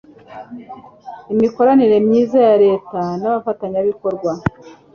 imikoranire myiza ya leta n'abafatanyabikorwa